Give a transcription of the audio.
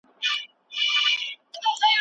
خلکو ته لارښوونه وسوه چي د علماوو درناوی وکړي.